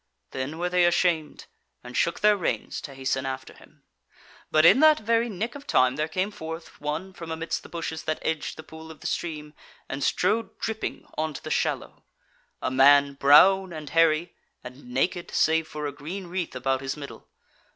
Then were they ashamed, and shook their reins to hasten after him. But in that very nick of time there came forth one from amidst the bushes that edged the pool of the stream and strode dripping on to the shallow; a man brown and hairy, and naked, save for a green wreath about his middle.